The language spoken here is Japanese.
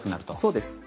◆そうです。